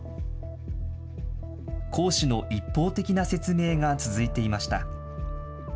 講師の一方的な説明が続いていました。